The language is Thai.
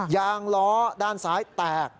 ยางล้อด้านซ้ายแตก